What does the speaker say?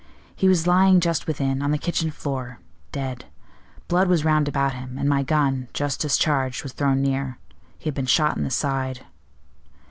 He was lying just within, on the kitchen floor, dead. Blood was round about him, and my gun, just discharged, was thrown near. He had been shot in the side."